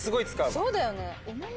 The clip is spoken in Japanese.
そうだよね。